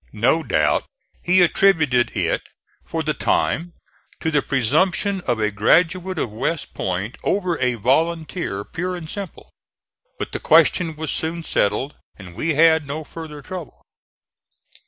No doubt he attributed it for the time to the presumption of a graduate of West Point over a volunteer pure and simple. But the question was soon settled and we had no further trouble.